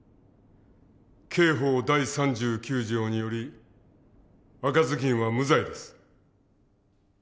刑法第３９条により赤ずきんは無罪です。